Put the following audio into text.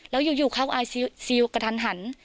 แล้วอยู่เขาอายซิลกระทันหัน